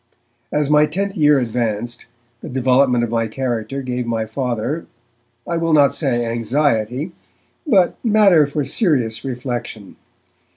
As my tenth year advanced, the development of my character gave my Father, I will not say anxiety, but matter for serious reflection.